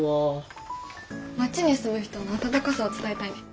町に住む人の温かさを伝えたいね。